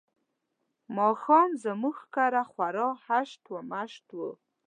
ماښام زموږ کره خوار هشت و مشت وو.